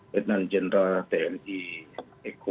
datangan jenderal tni eko